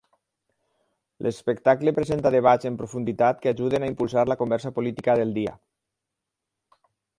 L'espectacle presenta debats en profunditat que ajuden a impulsar la conversa política del dia.